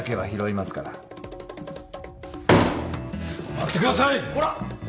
待ってください！